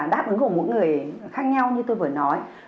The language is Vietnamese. đáp ứng của mỗi người khác nhau như tôi vừa nói